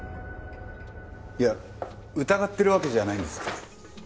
いや疑ってるわけじゃないんです。